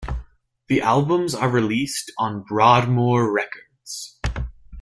The albums are released on Broadmoor Records.